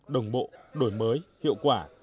đồng bộ đổi mới hiệu quả